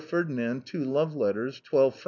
Ferdinand two love letters. 12 fr.